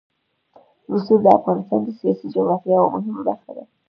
رسوب د افغانستان د سیاسي جغرافیه یوه مهمه برخه ده.